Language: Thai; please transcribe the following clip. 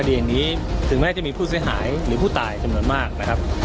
ดีอย่างนี้ถึงแม้จะมีผู้เสียหายหรือผู้ตายจำนวนมากนะครับ